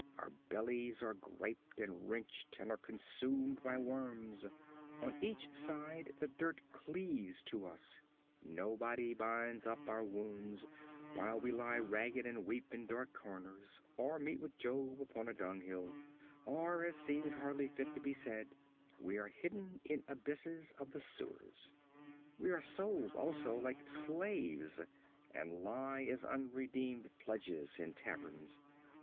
Our bellies are griped and wrenched and are consumed by worms; on each side the dirt cleaves to us, nobody binds up our wounds, we lie ragged and weep in dark corners, or meet with Job upon a dunghill, or, as seems hardly fit to be said, we are hidden in abysses of the sewers. We are sold also like slaves, and lie as unredeemed pledges in taverns.